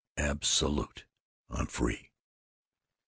Absolute! I'm free!"